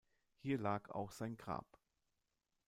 Hier lag auch sein Grab.